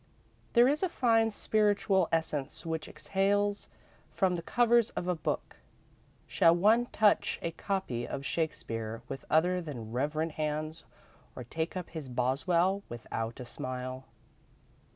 There is a fine spiritual essence which exhales from the covers of a book. Shall one touch a copy of Shakespeare with other than reverent hands, or take up his Boswell without a smile?